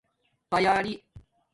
تیاری